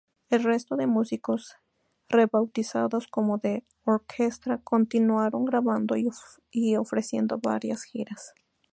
El resto de músicos, rebautizados como The Orchestra, continuaron grabando y ofreciendo varias giras.